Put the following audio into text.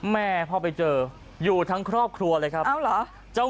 แม่พอไปเจออยู่ทั้งครอบครัวเลยครับ